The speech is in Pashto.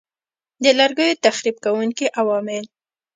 د لرګیو تخریب کوونکي عوامل